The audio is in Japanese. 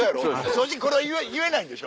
正直これは言えないんでしょ？